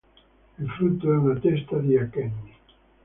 Il frutto è una testa di acheni.